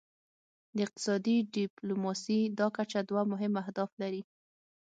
د اقتصادي ډیپلوماسي دا کچه دوه مهم اهداف لري